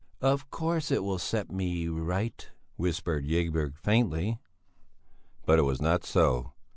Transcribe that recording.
"Of course it will set me right," whispered Ygberg faintly. But it was not so.